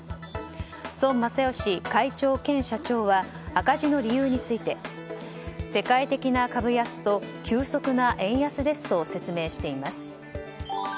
孫正義会長兼社長は赤字の理由について世界的な株安と急速な円安ですと説明しています。